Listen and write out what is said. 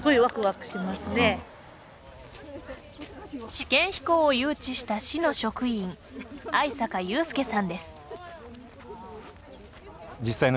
試験飛行を誘致した市の職員相坂祐介さんです。